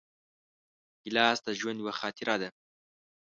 ګیلاس د ژوند یوه خاطره ده.